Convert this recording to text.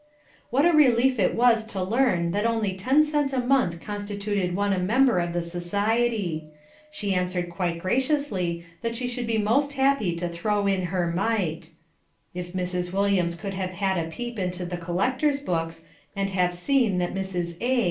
What a relief it was to learn that only ten cents a month constituted one a member of the society. She answered quite graciously that she should be most happy to throw in her mite. If Mrs. Williams could have had a peep into the collectors' books, and have seen that Mrs. A.